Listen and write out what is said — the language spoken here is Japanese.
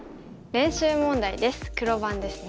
黒番ですね。